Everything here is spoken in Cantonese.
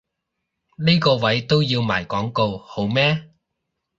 呢個位都要賣廣告好咩？